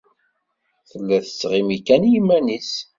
Tella tettɣimi kan i yiman-nnes.